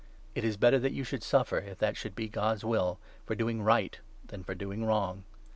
It is 17 better that you should suffer, if that should be God's will, for doing right, than for doing wrong.